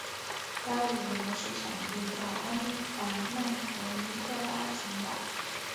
该物种的模式产地在安达曼和尼科巴群岛。